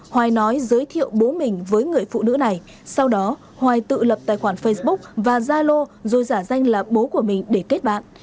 hoài nói giới thiệu bố mình với người phụ nữ này sau đó hoài tự lập tài khoản facebook và zalo rồi giả danh là bố của mình để kết bạn